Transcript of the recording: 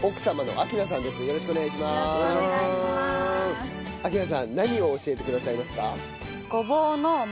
明菜さん何を教えてくださいますか？